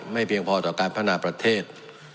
ไม่เพียงพอต่อการพันธ์ประเทศ